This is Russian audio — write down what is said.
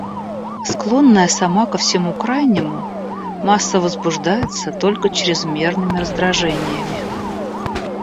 Склонная сама ко всему крайнему, масса возбуждается только чрезмерными раздражениями.